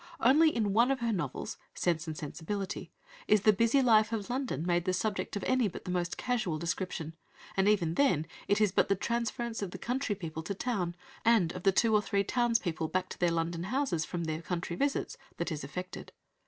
Only in one of her novels (Sense and Sensibility) is the busy life of London made the subject of any but the most casual description, and even then it is but the transference of the country people to town, and of the two or three towns people back to their London houses from their country visits that is effected.